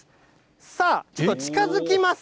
さあ、ちょっと近づきます。